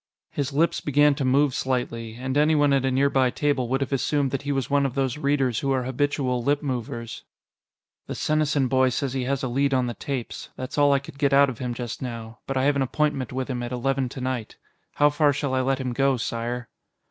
His lips began to move slightly, and anyone at a nearby table would have assumed that he was one of those readers who are habitual lip movers. "The Senesin boy says he has a lead on the tapes. That's all I could get out of him just now, but I have an appointment with him at eleven tonight. How far shall I let him go, Sire?"